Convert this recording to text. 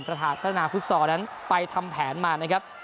พระธานาภุตซอลนั้นไปทำแผนมา